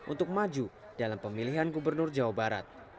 untuk maju dalam pemilihan gubernur jawa barat